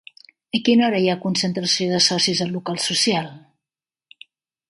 A quina hora hi ha concentració de socis al local social?